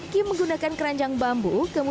kim menggunakan keranjang bambu